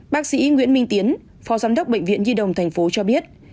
bác sĩ nguyễn minh tiến phó giám đốc bệnh viện di đồng thành phố cho biết